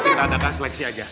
nanti kita ada seleksi aja